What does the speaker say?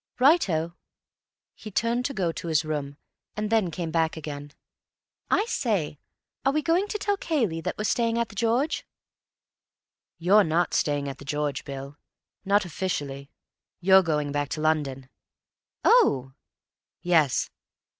"Righto." He turned to go to his room, and then came back again. "I say, are we going to tell Cayley that we're staying at 'The George'?" "You're not staying at 'The George,' Bill. Not officially. You're going back to London." "Oh!" "Yes.